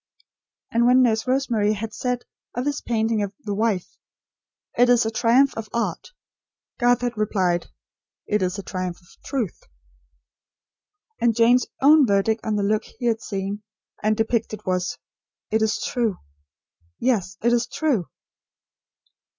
And when Nurse Rosemary had said of his painting of "The Wife": "It is a triumph of art"; Garth had replied: "It is a triumph of truth." And Jane's own verdict on the look he had seen and depicted was: "It is true yes, it is true!"